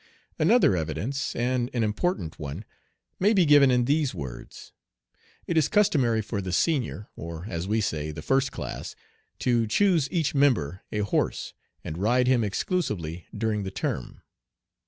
Another evidence, and an important one, may be given in these words. It is customary for the senior, or, as we say, the first class, to choose, each member, a horse, and ride him exclusively during the term.